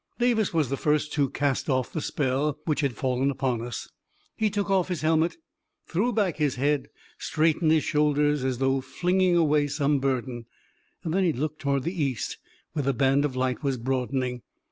Davis was the first to cast off the spell which had fallen upon us. He took off his helmet, and threw back his head, and straightened his shoulders, as though flinging away some burden. Then he looked toward the East, where the band of light was broad ening.